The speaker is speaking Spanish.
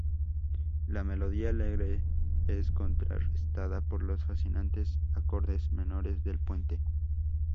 La melodía alegre es contrarrestada por los fascinantes acordes menores del puente.